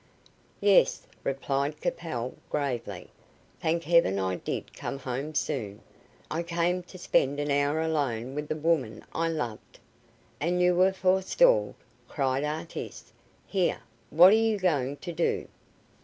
"Yes," replied Capel, gravely. "Thank Heaven I did come home soon. I came to spend an hour alone with the woman I loved." "And you were forestalled," cried Artis. "Here, what are you going to do?"